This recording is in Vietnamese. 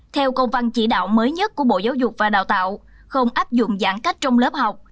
theo công văn chỉ đạo mới nhất của bộ giáo dục và đào tạo không áp dụng giãn cách trong lớp học